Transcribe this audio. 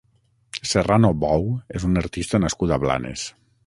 Serrano Bou és un artista nascut a Blanes.